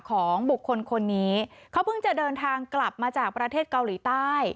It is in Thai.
ของบุคคลคนนี้เขาเพิ่งจะเดินทางกลับมาจากประเทศเกาหลีใต้